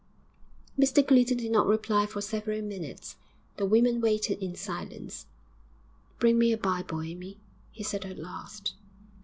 Mr Clinton did not reply for several minutes; the women waited in silence. 'Bring me a Bible, Amy,' he said at last.